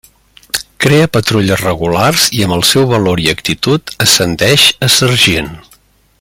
Crea patrulles regulars i amb el seu valor i actitud ascendeix a sergent.